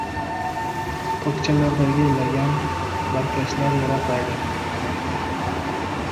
Tokchalardagi lagan- barkashlar yaraqlaydi.